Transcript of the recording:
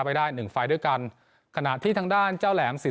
ไปได้หนึ่งไฟล์ด้วยกันขณะที่ทางด้านเจ้าแหลมสี